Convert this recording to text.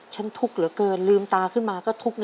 ทุกข์เหลือเกินลืมตาขึ้นมาก็ทุกข์นะ